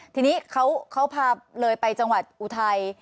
ทีนี้เขาพาเลยไปจังหวัดอุทัย